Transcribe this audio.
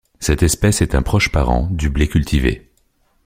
Cette espèce est un proche parent du blé cultivé.